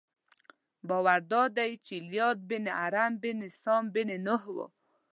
باور دادی چې ایلیا بن ارم بن سام بن نوح و.